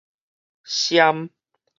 瞻